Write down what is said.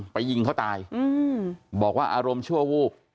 ยิงเขาตายบอกว่าอารมณ์ชั่ววูบ